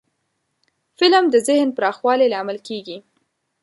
فلم د ذهن پراخوالي لامل کېږي